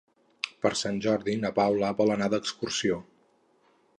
Per Sant Jordi na Paula vol anar d'excursió.